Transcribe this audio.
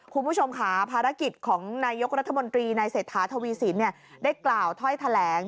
คุณผู้ชมค่ะภารกิจของนายกรัฐมนตรีในเศรษฐาทวีสินได้กล่าวถ้อยแถลง